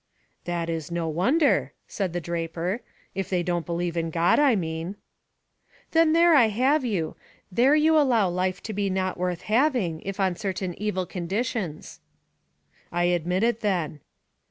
"That is no wonder," said the draper; " if they don't believe in God, I mean." "Then there I have you! There you allow life to be not worth having, if on certain evil conditions." "I admit it, then."